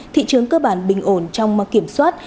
thị trường cơ bản bình ổn trong kiểm soát